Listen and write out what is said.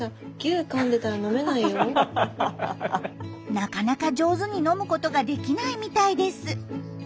なかなか上手に飲むことができないみたいです。